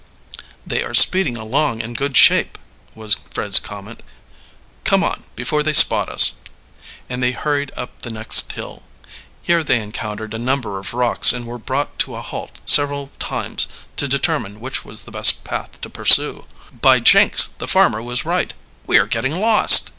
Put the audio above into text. "They are speeding along in good shape," was Fred's comment. "Come on, before they spot us!" And they hurried up the next hill. Here they encountered a number of rocks, and were brought to a halt several times to determine which was the best path to pursue. "By jinks! the farmer was right we are getting lost!"